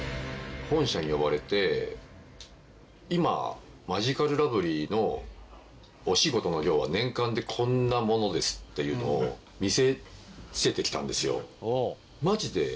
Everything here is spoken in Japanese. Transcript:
本社に呼ばれて今マヂカルラブリーのお仕事の量は年間でこんなものですっていうのを見せつけてきたんですよ。